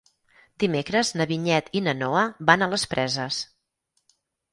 Dimecres na Vinyet i na Noa van a les Preses.